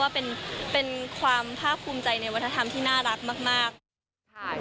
ว่าเป็นความภาคภูมิใจในวัฒนธรรมที่น่ารักมาก